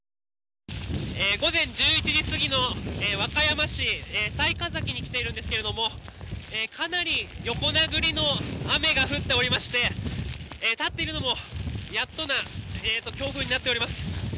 午前１１時過ぎの和歌山市の雑賀崎に来ているんですけどかなり横殴りの雨が降っておりまして立っているのもやっとな強風になっております。